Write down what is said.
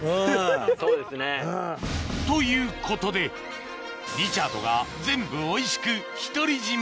そうですね。ということでリチャードが全部おいしく独り占め